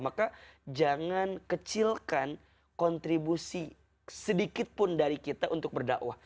maka jangan kecilkan kontribusi sedikitpun dari kita untuk berdakwah